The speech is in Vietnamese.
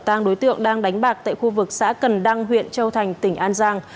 tàng đối tượng đang đánh bạc tại khu vực xã cần đăng huyện châu thành tỉnh an giang